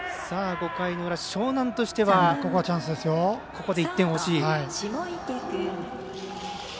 ５回の裏、樟南としてはここで１点が欲しい。